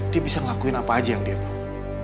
dia bisa ngelakuin apa aja yang dia mau